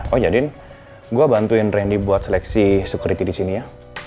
oh ya din gue bantuin rendy buat seleksi security di sini ya